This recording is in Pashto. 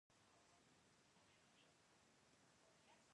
دا اړینه ده ځکه: